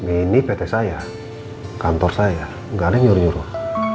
ini pt saya kantor saya nggak ada yang nyuruh nyuruh